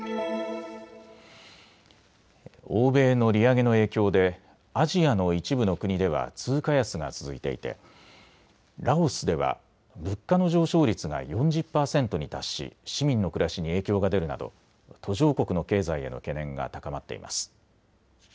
欧米の利上げの影響でアジアの一部の国では通貨安が続いていてラオスでは物価の上昇率が４０％に達し市民の暮らしに影響が出るなど途上国の経済への懸念が高まっています。